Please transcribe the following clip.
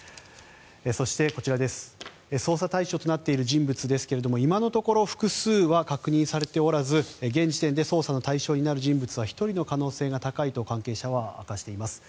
そして、こちら捜査対象となっている人物ですが今のところ複数は確認されておらず現時点で捜査の対象になる人物は１人の可能性が高いと関係者は明かしています。